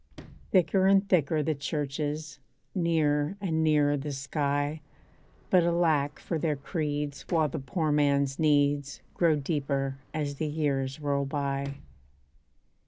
Thicker and thicker the churches, Nearer and nearer the sky But alack for their creeds while the poor man's needs Grow deeper as years roll by.